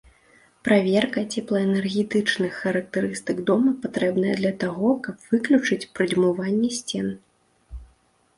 Праверка цеплаэнергетычных характарыстык дома патрэбная для таго, каб выключыць прадзьмуванне сцен.